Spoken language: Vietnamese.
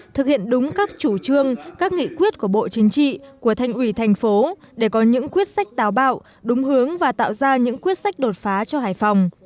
thực hiện đúng các chủ trương các nghị quyết của bộ chính trị của thành ủy thành phố để có những quyết sách tào bạo đúng hướng và tạo ra những quyết sách đột phá cho hải phòng